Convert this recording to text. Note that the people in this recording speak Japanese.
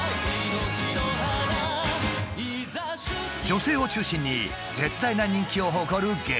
女性を中心に絶大な人気を誇るゲーム。